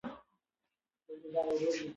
په اتم پسرلي ناول کره کتنه: